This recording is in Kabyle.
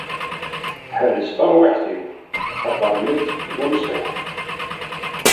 Ḥrez tarwiḥt-iw, axaṭer nekk, d unṣiḥ!